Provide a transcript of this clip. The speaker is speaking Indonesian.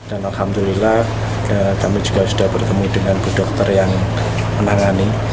alhamdulillah kami juga sudah bertemu dengan bu dokter yang menangani